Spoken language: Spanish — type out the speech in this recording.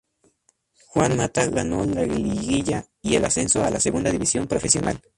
Juan Mata ganó la liguilla y el ascenso a la Segunda División Profesional.